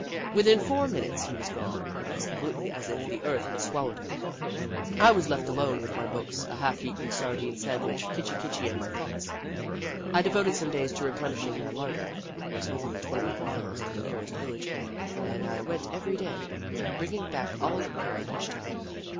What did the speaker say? Within four min utes he was gone, as completely as if the earth had swallowed him. I was left alone with my books, a half eaten sardine sandwich, Kitchi Kitchi, and my thoughts. I devoted some days to replenishing my lar der. It was only twenty miles to the nearest village and I went every day, bringing back all I could carry each time.